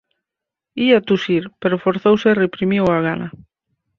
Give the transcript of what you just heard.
Ía tusir, pero forzouse e reprimiu a gana.